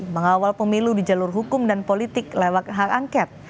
mengawal pemilu di jalur hukum dan politik lewat hak angket